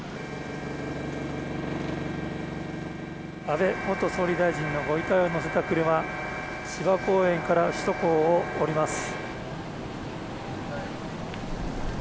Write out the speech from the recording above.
安倍元総理大臣のご遺体を乗せた車が芝公園から首都高を降ります。